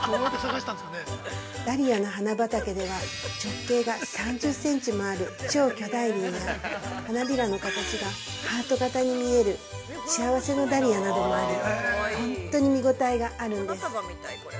◆ダリアの花畑では、直径が３０センチもある超巨大輪や花びらの形がハート型に見える幸せのダリアなどもあり本当に見応えがあるんです。